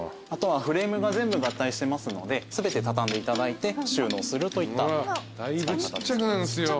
あとはフレームが全部合体してますので全て畳んでいただいて収納するといった使い方です。